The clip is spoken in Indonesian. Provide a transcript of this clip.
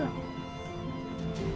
bisa tapi kita harus berhenti